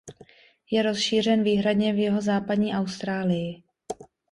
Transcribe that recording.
Je rozšířen výhradně v jihozápadní Austrálii.